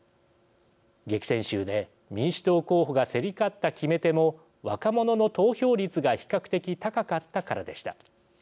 激戦州で民主党候補が競り勝った決め手も若者の投票率が比較的高かったからでした。